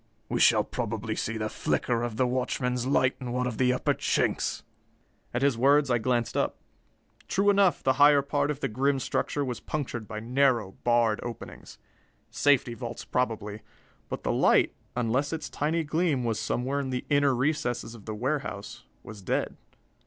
We shall probably see the flicker of the watchman's light in one of the upper chinks." At his words, I glanced up. True enough, the higher part of the grim structure was punctured by narrow, barred openings. Safety vaults, probably. But the light, unless its tiny gleam was somewhere in the inner recesses of the warehouse, was dead.